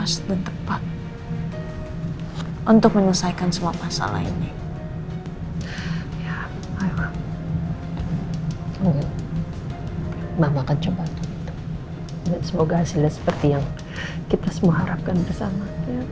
semoga hasilnya seperti yang kita semua harapkan bersama